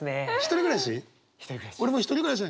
１人暮らしです。